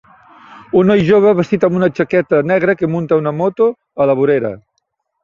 Un noi jove vestit amb una jaqueta negra que munta una moto a la vorera